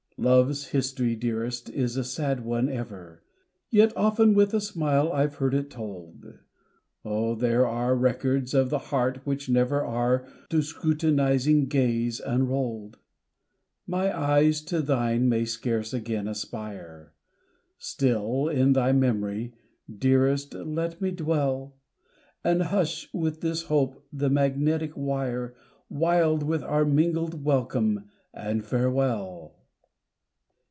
Love's history, dearest, is a sad one ever, Yet often with a smile I've heard it told! Oh, there are records of the heart which never Are to the scrutinizing gaze unrolled! My eyes to thine may scarce again aspire Still in thy memory, dearest let me dwell, And hush, with this hope, the magnetic wire, Wild with our mingled welcome and farewell!